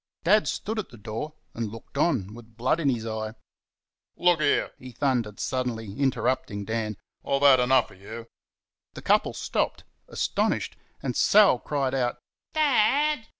Dad stood at the door and looked on, with blood in his eye. "Look here!" he thundered suddenly, interrupting Dan "I've had enough of you!" The couple stopped, astonished, and Sal cried, "DAD!"